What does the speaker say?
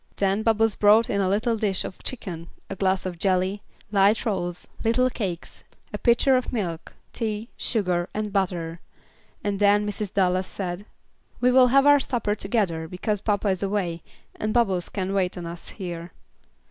Then Bubbles brought in a little dish of chicken, a glass of jelly, light rolls, little cakes, a pitcher of milk, tea, sugar, and butter; and then Mrs. Dallas said, "We will have our supper together, because papa is away, and Bubbles can wait on us here."